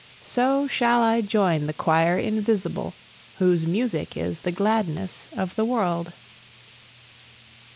So shall I join the choir invisible, Whose music is the gladness of the world.